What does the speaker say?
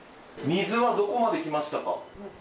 水はどこまで来ましたか？